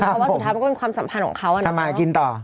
เพราะว่าสุดท้านก็ความสัมภาพของเขาอ่ะทำไมกินต่อ